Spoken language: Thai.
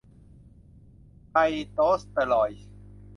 ไพโตสเตอรอยด์